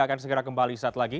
akan segera kembali saat lagi